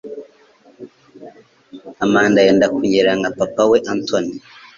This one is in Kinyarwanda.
Amanda yenda kunyerera nka papa we, Anthony